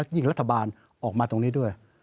ยิ่งรัฐบาลออกมาตรงนี้ด้วย